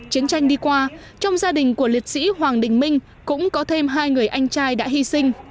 chiến tranh đi qua trong gia đình của liệt sĩ hoàng đình minh cũng có thêm hai người anh trai đã hy sinh